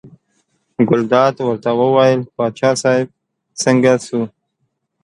ګلداد ورته وویل باچا صاحب څنګه شو.